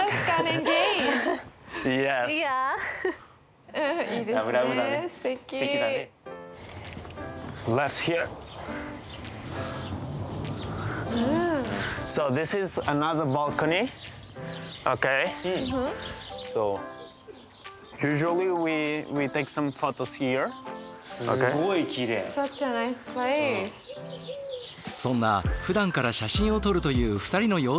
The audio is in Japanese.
そんなふだんから写真を撮るという２人の様子を見せてもらおう。